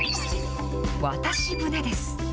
渡し船です。